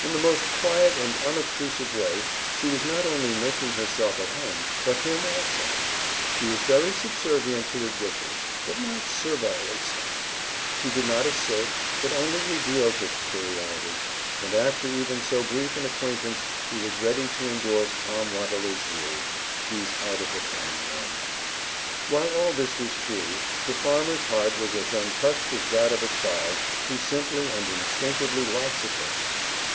In the most quiet and unobtrusive way, she was not only making herself at home, but him also; she was very subservient to his wishes, but not servilely so; she did not assert, but only revealed her superiority, and after even so brief an acquaintance he was ready to indorse Tom Watterly's view, "She's out of the common run." While all this was true, the farmer's heart was as untouched as that of a child who simply and instinctively likes a person.